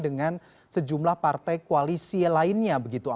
dengan sejumlah partai koalisi lainnya begitu